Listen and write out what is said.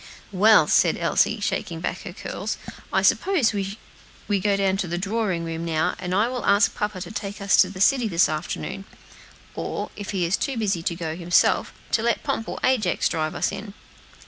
"Well," Elsie said, shaking back her curls, "suppose we go down to the drawing room now, and I will ask papa to take us to the city this afternoon; or, if he is too busy to go himself, to let Pomp or Ajax drive us in."